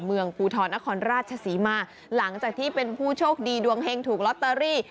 ภูทรนครราชศรีมาหลังจากที่เป็นผู้โชคดีดวงเฮงถูกลอตเตอรี่